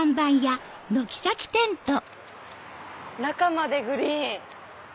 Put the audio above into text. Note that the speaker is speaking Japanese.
中までグリーン！